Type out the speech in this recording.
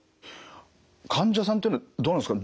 患者さんというのはどうなんですか